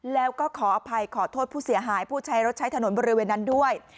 แล้วก็ขออภัยขอโทษผู้เสียหายผู้ใช้รถใช้ถนนบริเวณนั้นด้วย